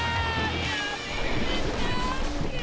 やめて！